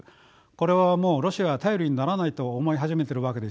これはもうロシアは頼りにならないと思い始めてるわけですよ。